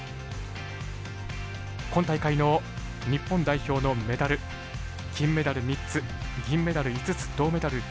今大会の日本代表のメダル金メダル３つ銀メダル５つ銅メダル１２。